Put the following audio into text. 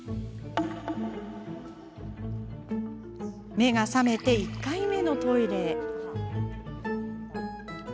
目が覚めて、１回目のトイレへ。